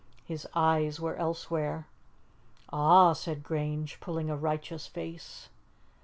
His eyes were elsewhere. "Ah!" said Grange, pulling a righteous face.